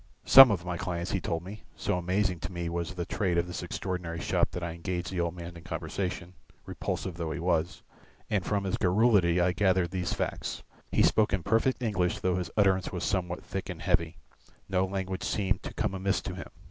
"Some of my clients," he told me. So amazing to me was the trade of this extraordinary shop that I engaged the old man in conversation, repulsive though he was, and from his garrulity I gathered these facts. He spoke in perfect English though his utterance was somewhat thick and heavy; no language seemed to come amiss to him.